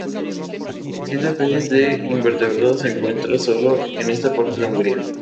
Siete especies de invertebrados se encuentra sólo en esta parte de Hungría.